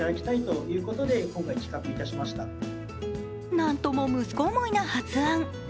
なんとも息子思いな発案。